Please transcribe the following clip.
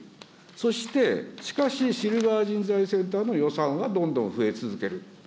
そして、しかし、シルバー人材センターの予算はどんどん増え続ける。